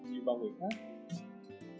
đi vào người khác